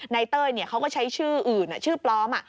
เต้ยเขาก็ใช้ชื่ออื่นชื่อปลอม